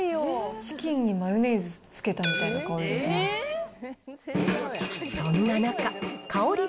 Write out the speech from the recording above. チキンにマヨネーズつけたみたいな香り。